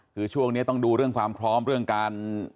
คือช่วงนี้ต้องดูเรื่องความพร้อมเรื่องการ